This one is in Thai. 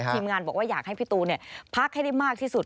ทีมงานบอกว่าอยากให้พี่ตูนพักให้ได้มากที่สุด